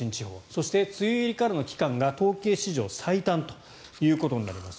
そして、梅雨入りからの期間が統計史上最短ということになります。